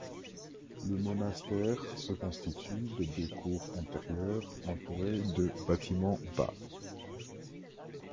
Le monastère se constitue de deux cours intérieures entourées de bâtiments bas.